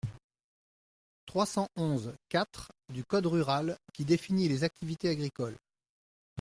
trois cent onze-quatre du code rural, qui définit les activités agricoles.